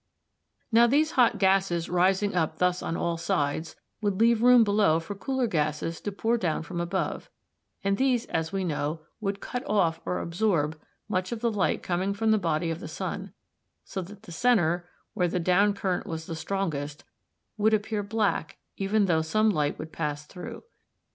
Now these hot gases rising up thus on all sides would leave room below for cooler gases to pour down from above, and these, as we know, would cut off, or absorb, much of the light coming from the body of the sun, so that the centre, where the down current was the strongest, would appear black even though some light would pass through.